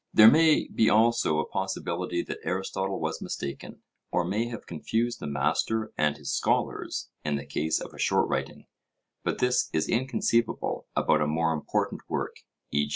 There may be also a possibility that Aristotle was mistaken, or may have confused the master and his scholars in the case of a short writing; but this is inconceivable about a more important work, e.